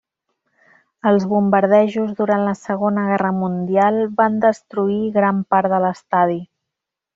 Els bombardejos durant la Segona Guerra Mundial van destruir gran part de l'estadi.